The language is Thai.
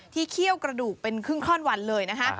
เคี่ยวกระดูกเป็นครึ่งข้อนวันเลยนะคะ